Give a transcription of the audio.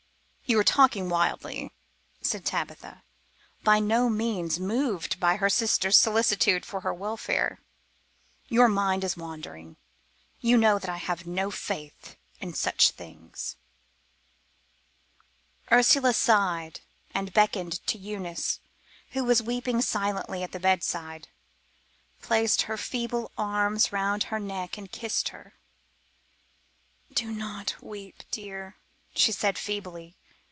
"You are talking wildly," said Tabitha, by no means moved at her sister's solicitude for her welfare. "Your mind is wandering; you know that I have no faith in such things." Ursula sighed, and beckoning to Eunice, who was weeping silently at the bedside, placed her feeble arms around her neck and kissed her. "Do not weep, dear," she said feebly.